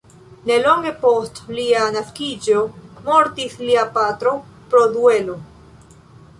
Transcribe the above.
Nelonge post lia naskiĝo mortis lia patro, pro duelo.